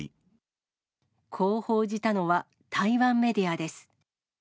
こう報じたのは台湾メディアです。